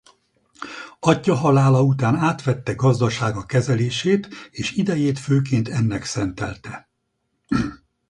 Atyja halála után átvette gazdasága kezelését és idejét főként ennek szentelte.